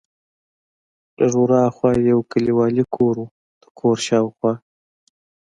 لږ ور ها خوا یو کلیوالي کور و، د کور شاوخوا.